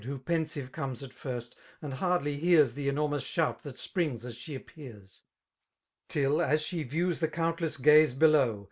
Who pensive comes at firsts and hardly hears The enormous shout that springs as she appears, Till^ as she views the countless gaze below.